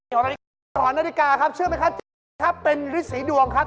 ห่อนนาฬิกาห่อนนาฬิกาครับเชื่อไหมครับเจ๊เป็นฤทธิ์สีดวงครับ